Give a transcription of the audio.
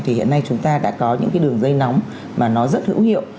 thì hiện nay chúng ta đã có những cái đường dây nóng mà nó rất hữu hiệu